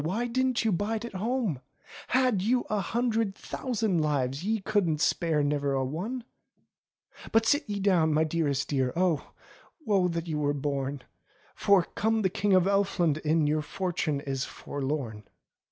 Why didn't you bide at home ? Had you a hundred thousand lives, Ye couldn't spare ne'er a one ! "But sit you down, my dearest dear. Oh ! woe that ye were born, For, come the King of Elfland in Your fortune is forlorn."